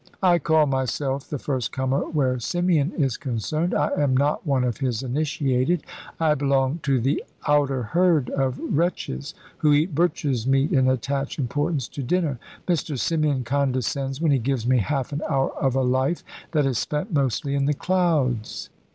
"I call myself the first comer where Symeon is concerned. I am not one of his initiated. I belong to the outer herd of wretches who eat butcher's meat and attach importance to dinner. Mr. Symeon condescends when he gives me half an hour of a life that is spent mostly in the clouds."